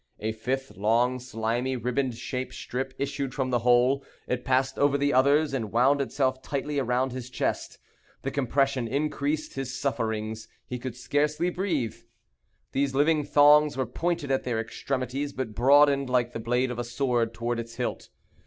A fifth long, slimy, riband shaped strip issued from the hole. It passed over the others, and wound itself tightly around his chest. The compression increased his sufferings. He could scarcely breathe. These living thongs were pointed at their extremities, but broadened like the blade of a sword toward its hilt.